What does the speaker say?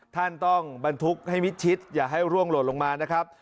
ท่านต้องบรรทุกให้มิดชิดอย่าให้ร่วงหล่นลงมานะครับ